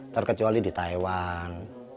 terkecuali di taiwan